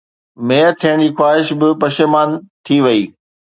mayor ٿيڻ جي خواهش به پشيمان ٿي وئي